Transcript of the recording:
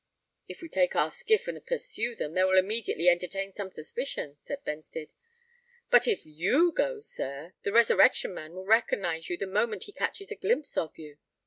"If we take our skiff and pursue them, they will immediately entertain some suspicion," said Benstead; "and if you go, sir, the Resurrection Man will recognise you the moment he catches a glimpse of you."